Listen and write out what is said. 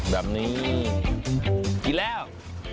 แบบนี้กินแล้ว